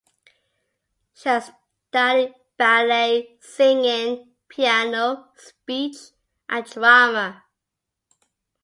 She has studied ballet, singing, piano, speech and drama.